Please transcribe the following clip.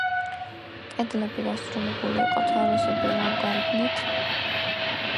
კედლები დასრულებული იყო თაროსებრი ლავგარდნით.